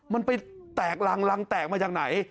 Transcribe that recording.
มันไปแตกรังรังแตกมาจากไหน